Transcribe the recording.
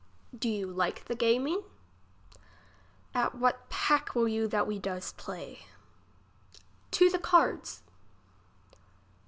Do you like the gaming ? At what pack will you that we does play ? To the cards.